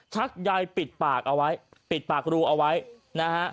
ักใยปิดปากเอาไว้ปิดปากรูเอาไว้นะฮะ